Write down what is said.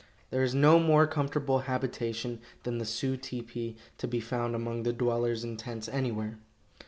There is no more comfortable habitation than the Sioux tepee to be found among the dwellers in tents anywhere.